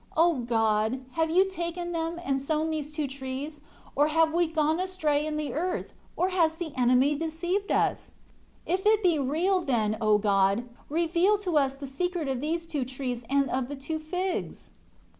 O God, have you taken them, and sown these two trees, or have we gone astray in the earth; or has the enemy deceived us? If it be real, then, O God, reveal to us the secret of these two trees and of the two figs."